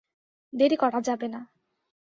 দেরি করা যাবে না!